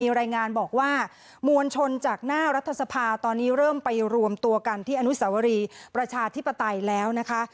รายงานบอกว่ามวลชนจากหน้ารัฐสภาตอนนี้เริ่มไปรวมตัวกันที่อนุสาวรีประชาธิปไตยแล้วนะคะ